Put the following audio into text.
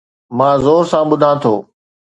مان زور سان ٻڌان ٿو